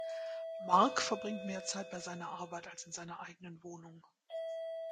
Mark verbringt mehr Zeit bei seiner Arbeit als in seiner eigenen Wohnung.